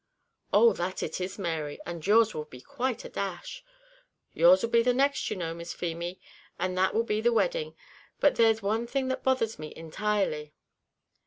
"Oh! that it is Mary, and yours 'll be quite a dash." "Yours 'll be the next, you know, Miss Feemy, and that will be the wedding! But there's one thing that bothers me intirely."